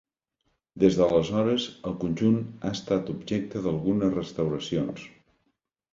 Des d'aleshores, el conjunt ha estat objecte d'algunes restauracions.